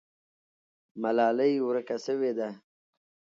ملالۍ ورکه سوې ده.